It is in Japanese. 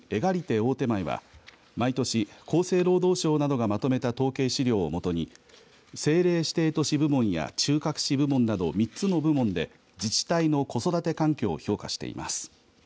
大手前は毎年、厚生労働省などがまとめた統計資料をもとに政令指定都市部門や中核市部門など３つの部門で自治体の子育て環境を評価しています。